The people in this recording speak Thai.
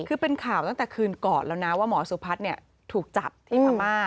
คือเป็นข่าวตั้งแต่คืนก่อนแล้วนะว่าหมอสุพัฒน์ถูกจับที่พม่า